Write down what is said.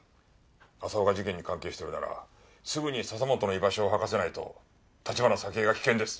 浅尾が事件に関係してるならすぐに笹本の居場所を吐かせないと橘沙希江が危険です。